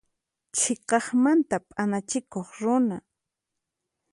Chhiqaqmanta p'anachikuq runa.